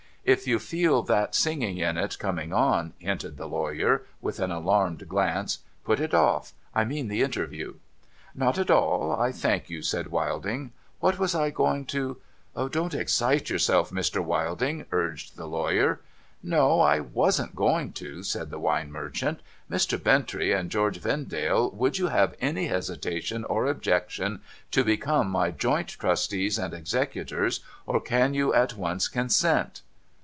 ' If you feel that singing in it coming on,' hinted the lawyer, with an alarmed glance, ' put it off. — I mean the interview.' ' Not at all, I thank you,' said ^^'ildi^g. ' \Vhat was I going to '' Don't excite yourself, Mr. Wilding,' urged the lawyer. ' No ; I wasn't going to,' said the wine merchant. ' Mr. Bintrey and George Vendale, would you have any hesitation or ohjection to become my joint trustees and executors, or can you at once consent